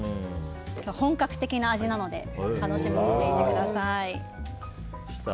本格的な味なので楽しみにしていてください。